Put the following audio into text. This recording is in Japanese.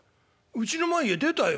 うちの前へ出たよ。